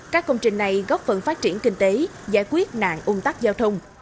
các công trình này góp phần phát triển kinh tế giải quyết nạn ung tắc giao thông